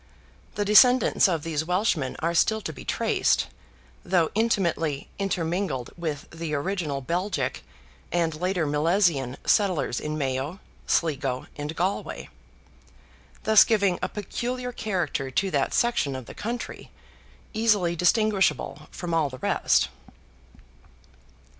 The descendants of these Welshmen are still to be traced, though intimately intermingled with the original Belgic and later Milesian settlers in Mayo, Sligo, and Galway—thus giving a peculiar character to that section of the country, easily distinguishable from all the rest.